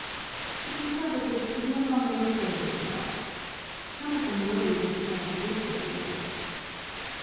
The conservatives could no longer restrain themselves. Some of them rose and began to whisper together.